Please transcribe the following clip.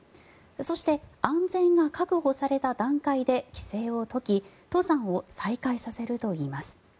そして、安全が確保された段階で規制を解き登山を再開させるといいます。